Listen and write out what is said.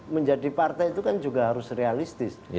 menjadi partai itu kan juga harus realistis